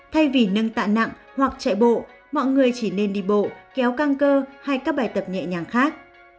thay vì nâng tạ nặng hoặc chạy bộ mọi người chỉ nên đi bộ kéo căng cơ hay các bài tập nhẹ nhàng khác